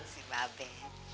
si mbak be